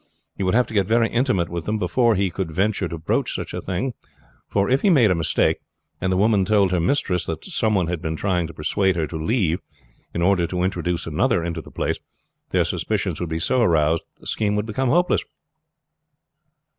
He would have to get very intimate with them before he could venture to broach such a thing for if he made a mistake, and the woman told her mistress that some one had been trying to persuade her to leave in order to introduce another into the place, their suspicions would be so aroused that the scheme would become hopeless."